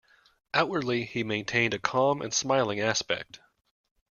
Outwardly, he maintained a calm and smiling aspect.